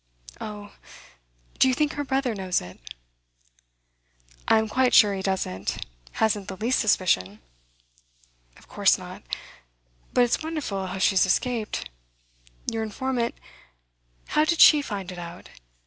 Oh, do you think her brother knows it?' 'I'm quite sure he doesn't; hasn't the least suspicion.' 'Of course not. But it's wonderful how she has escaped. Your informant how did she find it out?